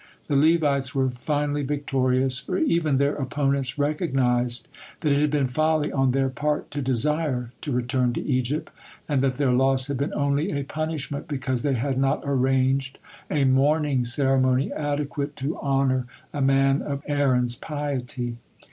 The Levites were finally victorious, for even their opponents recognized that it had been folly on their part to desire to return to Egypt, and that their loss had been only a punishment because they had not arranged a mourning ceremony adequate to honor a man of Aaron's piety.